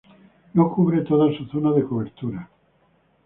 No cubre toda su zona de cobertura.